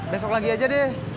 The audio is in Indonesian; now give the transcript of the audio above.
besok lagi aja deh